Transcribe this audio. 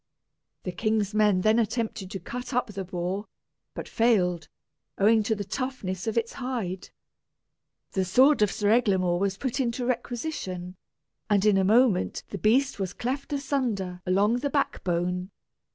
The king's men then attempted to cut up the boar, but failed, owing to the toughness of his hide. The sword of Sir Eglamour was put into requisition, and in a moment the beast was cleft asunder along the back bone.